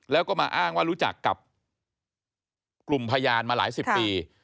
แล้วก็มาอ้างว่ารู้จักกับกลุ่มพยานมาหลายสิบปี